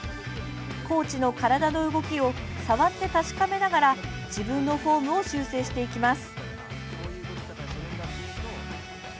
コーチの体の動きを触って確かめながら自分のフォームを修正していきます。